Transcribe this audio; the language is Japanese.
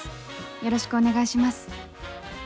よろしくお願いします。